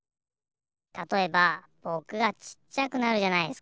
たとえばぼくがちっちゃくなるじゃないっすか。